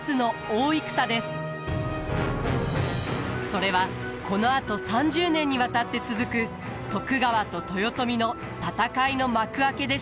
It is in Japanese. それはこのあと３０年にわたって続く徳川と豊臣の戦いの幕開けでした。